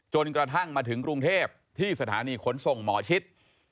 กระทั่งมาถึงกรุงเทพที่สถานีขนส่งหมอชิด